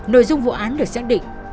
nội dung vụ án được xác định